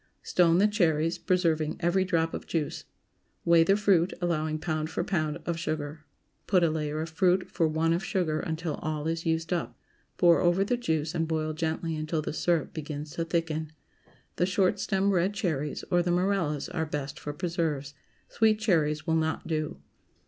✠ Stone the cherries, preserving every drop of juice. Weigh the fruit, allowing pound for pound of sugar. Put a layer of fruit for one of sugar until all is used up; pour over the juice and boil gently until the syrup begins to thicken. The short stem red cherries, or the Morellas are best for preserves. Sweet cherries will not do.